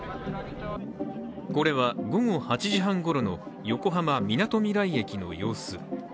これは午後８時半ごろの、横浜みなとみらい駅の様子。